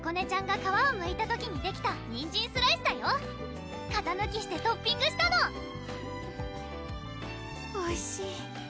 ちゃんが皮をむいた時にできたにんじんスライスだよ型抜きしてトッピングしたのおいしい